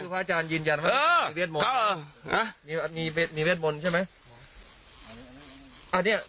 พระอาจารย์ยืนยันเออเออมีเวทมนตร์ใช่ไหมอ่ะเนี้ย